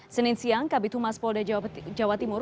senin siang kabitumas polda jawa timur